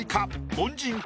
凡人か？